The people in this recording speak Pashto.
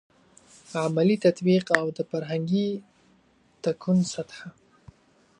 عملي تطبیق او د فرهنګي تکون سطحه.